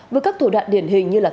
với các thủ đoạn điển hình như là